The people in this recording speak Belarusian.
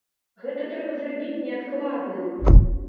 Гэта трэба зрабіць неадкладна.